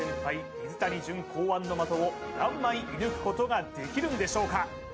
水谷隼考案の的を何枚射抜くことができるんでしょうか？